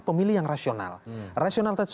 pemilih yang rasional rasionalitas